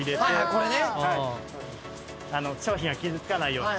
商品が傷つかないように。